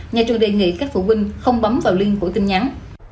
nhà trường đề nghị các phụ huynh không bấm vào link của tin nhắn